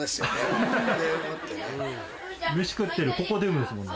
飯食ってるここで産むんですもんね。